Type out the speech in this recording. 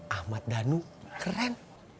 ahmad danu keren